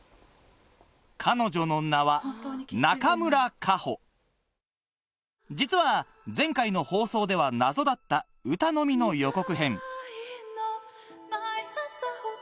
彼女の名は実は前回の放送では謎だった歌のみの予告編